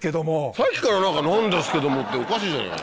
さっきから「なんですけども」っておかしいじゃないかよ。